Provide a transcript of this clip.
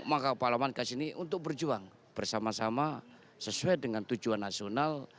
maka pahlawan kasih ini untuk berjuang bersama sama sesuai dengan tujuan nasional